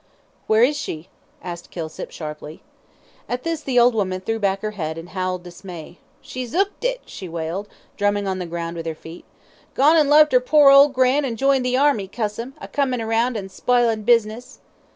"Where is she?" asked Kilsip, sharply. At this the old woman threw back her head, and howled dismay. "She's 'ooked it," she wailed, drumming on the ground with her feet. "Gon' an' left 'er pore old gran' an' joined the Army, cuss 'em, a comin' round an' a spilin' business."